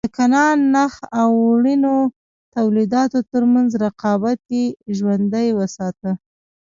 د کتان- نخ او وړینو تولیداتو ترمنځ رقابت یې ژوندی وساته.